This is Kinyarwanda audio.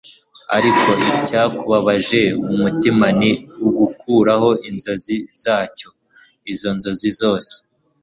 ariko icyakubabaje umutima ni ugukuraho inzozi zacyo - izo nzozi zose